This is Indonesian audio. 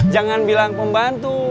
jangan bilang pembantu